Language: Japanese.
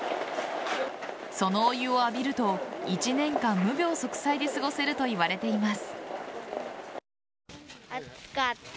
そのお湯を浴びると１年間無病息災で過ごせるといわれています。